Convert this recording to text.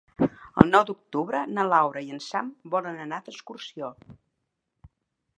El nou d'octubre na Laura i en Sam volen anar d'excursió.